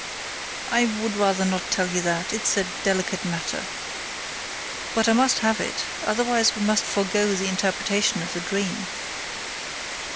"I would rather not tell you that; it is a delicate matter." "But I must have it, otherwise we must forgo the interpretation of the dream."